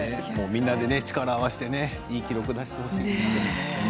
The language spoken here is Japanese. みんなで力を合わせていい記録を出してほしいですね。